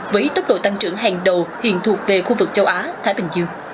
với tốc độ tăng trưởng hàng đầu hiện thuộc về khu vực châu á thái bình dương